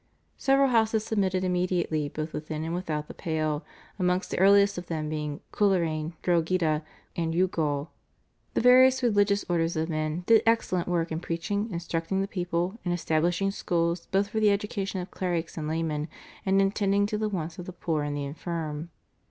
Several houses submitted immediately both within and without the Pale, amongst the earliest of them being Coleraine, Drogheda, Cork, and Youghal. The various religious orders of men did excellent work in preaching, instructing the people, in establishing schools both for the education of clerics and laymen, and in tending to the wants of the poor and the infirm.